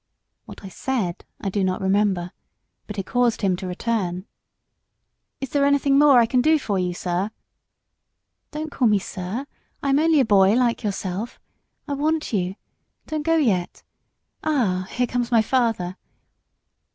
What I said I do not remember, but it caused him to return. "Is there anything more I can do for you, sir?" "Don't call me 'sir'; I am only a boy like yourself. I want you; don't go yet. Ah! here comes my father!"